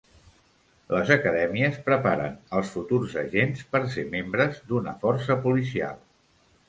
Les acadèmies preparen als futurs agents per ser membres d'una força policial.